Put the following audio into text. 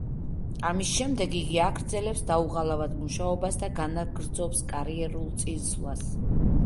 ამის შემდეგ იგი აგრძელებს დაუღალავად მუშაობას და განაგრძობს კარიერულ წინსვლას.